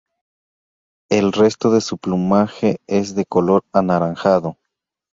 El resto de su plumaje es de color anaranjado.